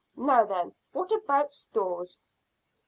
"Now then, what about stores?"